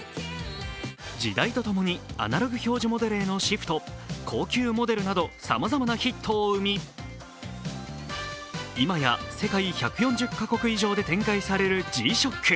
時代とともにアナログ表示モデルへのシフト、高級モデルなどさまざまなヒットを生み、今や世界１４０か国以上で展開されるＧ−ＳＨＯＣＫ。